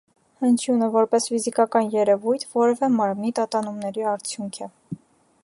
Հնչյունը, որպես ֆիզիկական երևույթ, որևէ մարմնի տատանումների արդյունք է։